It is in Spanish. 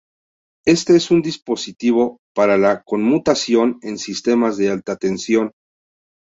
Este es un dispositivo para la conmutación en sistemas de alta tensión.